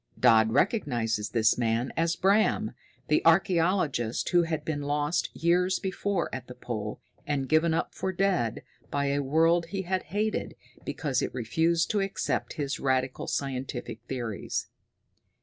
Dodd recognizes this man as Bram, the archaeologist who had been lost years before at the Pole and given up for dead by a world he had hated because it refused to accept his radical scientific theories.